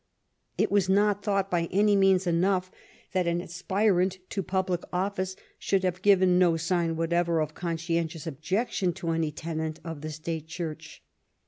It was not thought by any means enough that an aspirant to public office should have given no sign whatever of conscientious objection to any tenet of the state Church.